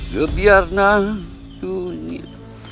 kebiar na dunia